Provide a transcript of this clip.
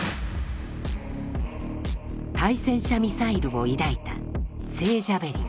対戦車ミサイルを抱いた聖ジャベリン。